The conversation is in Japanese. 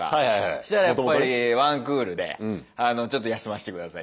そしたらやっぱりワンクールで「ちょっと休まして下さい」。